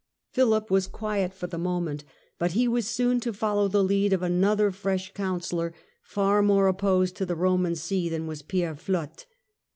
Philip was quiet for the moment, but he was soon to follow the lead of another fresh councillor, far more op posed to the Roman see than was Pierre Flotte.